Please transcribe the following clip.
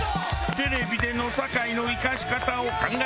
テレビでの酒井の生かし方を考える事に。